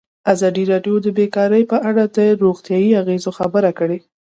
ازادي راډیو د بیکاري په اړه د روغتیایي اغېزو خبره کړې.